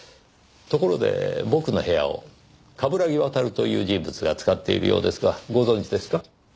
ところで僕の部屋を冠城亘という人物が使っているようですがご存じですか？